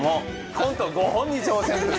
コント５本に挑戦。